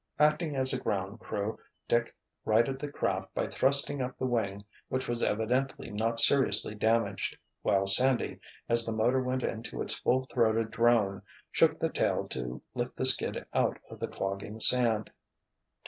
Acting as a ground crew, Dick righted the craft by thrusting up the wing which was evidently not seriously damaged, while Sandy, as the motor went into its full throated drone, shook the tail to lift the skid out of the clogging sand.